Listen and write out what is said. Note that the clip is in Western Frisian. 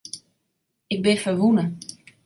Ik bin ferwûne.